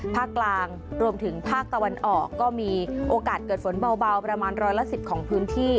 ภาคกลางรวมถึงภาคตะวันออกก็มีโอกาสเกิดฝนเบาประมาณร้อยละ๑๐ของพื้นที่